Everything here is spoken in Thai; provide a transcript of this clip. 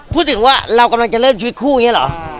พูดถึงว่าเรากำลังจะเริ่มชีวิตคู่อย่างนี้เหรอ